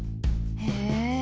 へえ！